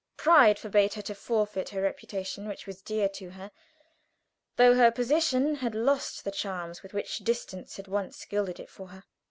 Pride forbade her to forfeit her reputation, which was dear to her, though her position had lost the charms with which distance had once gilded it for her.